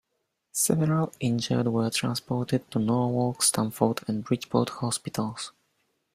Several injured were transported to Norwalk, Stamford and Bridgeport hospitals.